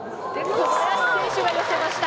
小林選手がよせました！